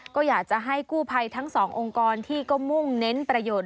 ก็อยากจะให้กู้ภัยทั้งสององค์กรที่ก็มุ่งเน้นประโยชน์